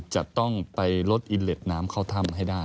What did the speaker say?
จะต้องไปลดอิเล็กน้ำเข้าถ้ำให้ได้